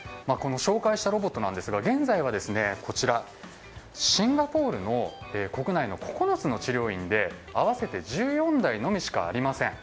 紹介したロボットですが、現在はシンガポールの国内の９つの治療院で合わせて１４台のみしかありません。